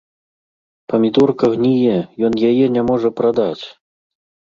Памідорка гніе, ён яе не можа прадаць!